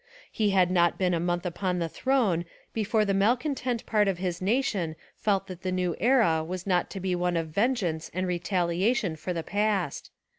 He had not been a month upon the throne before the malcontent part of his nation felt that the new era was not to be one of vengeance and retaliation for the past.